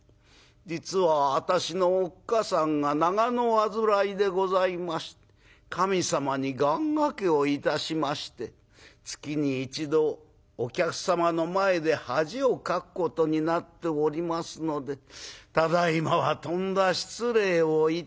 実は私のおっ母さんが長の患いでございまして神様に願がけをいたしまして月に一度お客様の前で恥をかくことになっておりますのでただいまはとんだ失礼をいたしました」。